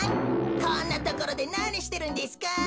こんなところでなにしてるんですか？